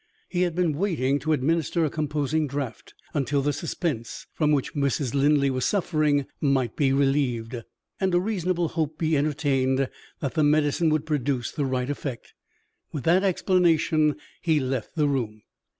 He had been waiting to administer a composing draught, until the suspense from which Mrs. Linley was suffering might be relieved, and a reasonable hope be entertained that the medicine would produce the right effect. With that explanation he left the room.